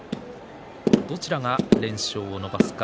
どちらが連勝を伸ばすか。